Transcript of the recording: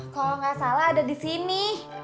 kalau nggak salah ada di sini